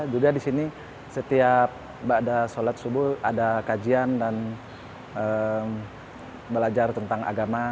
juga di sini setiap ada sholat subuh ada kajian dan belajar tentang agama